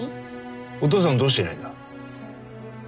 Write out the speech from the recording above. お父さんどうしていないんだ？